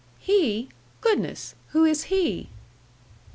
"He? Goodness! Who is he?"